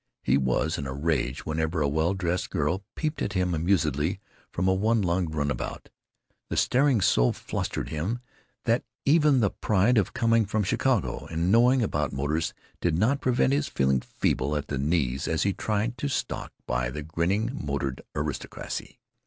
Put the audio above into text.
He was in a rage whenever a well dressed girl peeped at him amusedly from a one lunged runabout. The staring so flustered him that even the pride of coming from Chicago and knowing about motors did not prevent his feeling feeble at the knees as he tried to stalk by the grinning motored aristocracy.